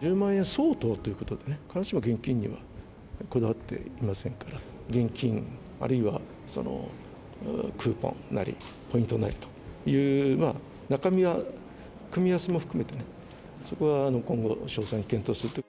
１０万円相当ということでね、必ずしも現金にこだわっていませんから、現金あるいはクーポンなりポイントなりという、中身は組み合わせも含めて、そこは今後、詳細に検討すると。